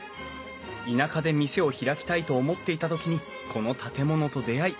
田舎で店を開きたいと思っていた時にこの建物と出会い